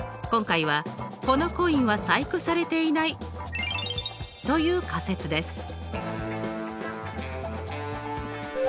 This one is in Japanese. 今回は「このコインは細工されている」が対立仮説です。